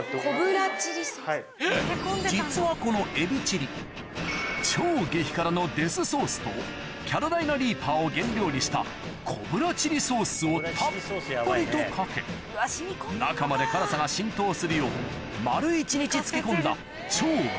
実はこのエビチリ超激辛のデスソースとキャロライナ・リーパーを原料にしたコブラチリソースをたっぷりとかけ中まで辛さが浸透するよう丸一日漬け込んだ超爆